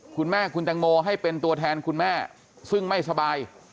คุณแม่คุณแตงโมให้เป็นตัวแทนคุณแม่ซึ่งไม่สบาย